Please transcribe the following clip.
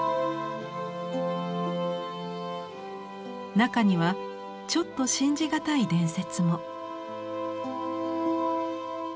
中にはちょっと信じがたい伝説も。